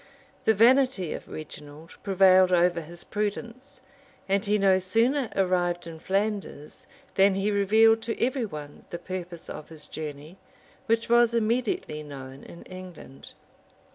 [*] The vanity of Reginald prevailed over his prudence; and he no sooner arrived in Flanders than he revealed to every one the purpose of his journey, which was immediately known in England.